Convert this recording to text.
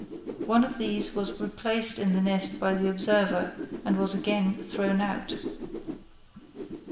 One of these was replaced in the nest by the observer, and was again thrown out.